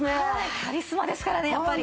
カリスマですからねやっぱり。